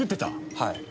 はい。